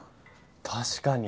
確かに。